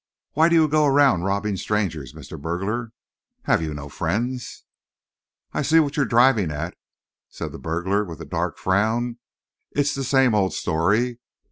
"Why do you go around robbing strangers, Mr. Burglar? Have you no friends?" "I see what you're driving at," said the burglar, with a dark frown. "It's the same old story.